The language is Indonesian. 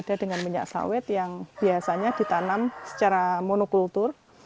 ada dengan minyak sawit yang biasanya ditanam secara monokultur